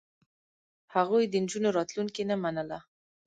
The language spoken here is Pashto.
هغوی د نجونو راتلونکې نه منله.